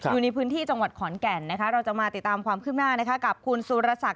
อยู่ในพื้นที่จังหวัดขอนแก่นนะคะเราจะมาติดตามความคืบหน้ากับคุณสุรศักดิ